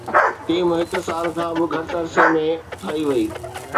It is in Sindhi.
ٽيم هڪ سال کان به گهٽ عرصي ۾ ٺاهي وئي